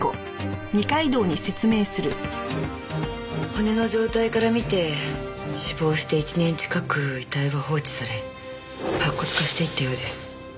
骨の状態から見て死亡して１年近く遺体は放置され白骨化していったようです。